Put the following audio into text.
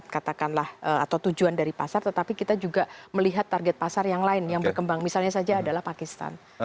tidak hanya dari amerika sebagai pusat katakanlah atau tujuan dari pasar tetapi kita juga melihat target pasar yang lain yang berkembang misalnya saja adalah pakistan